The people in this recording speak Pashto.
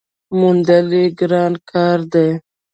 موندل یې ګران کار دی .